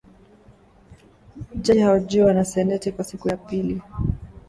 Jaji ahojiwa na seneti kwa siku ya pili